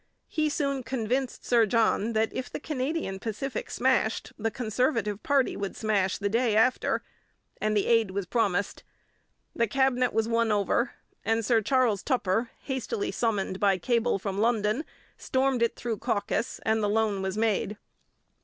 He soon convinced Sir John that if the Canadian Pacific smashed, the Conservative party would smash the day after, and the aid was promised. The Cabinet was won over, and Sir Charles Tupper, hastily summoned by cable from London, stormed it through caucus, and the loan was made.